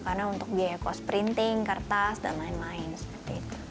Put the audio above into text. biasanya juga ya cost printing kertas dan lain lain seperti itu